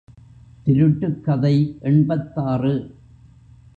திருட்டுக் கதை எண்பத்தாறு.